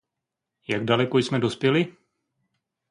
Jak daleko jsme dospěli?